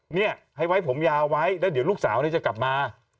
เนี่ยให้ไว้ผมยาวไว้แล้วเดี๋ยวลูกสาวเนี่ยจะกลับมา